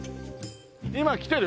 今来てる？